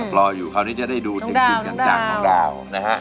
หลักรออยู่เขาจะได้ดูจริงจากน้องดาว